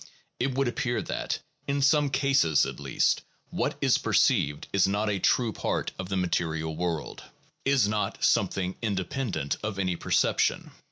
It would appear that, in some cases at least, what is perceived is not a true part of the material world, is not 418 THE PHILOSOPHICAL REVIEW. (Vol. XXI. something independent of any perception.